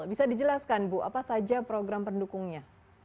bisa dijelaskan bu apa saja program pendukungnya